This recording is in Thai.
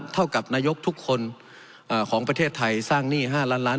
เท่ากับนายกทุกคนของประเทศไทยสร้างหนี้๕ล้านล้าน